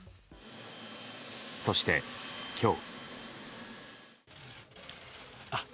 そして、今日。